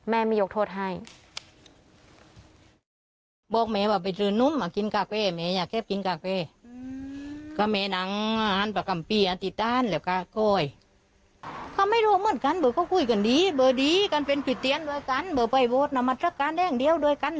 แม่ไม่ยกโทษให้